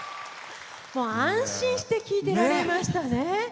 安心して聴いてられましたね。